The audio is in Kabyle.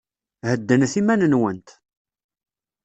Heddnet iman-nwent.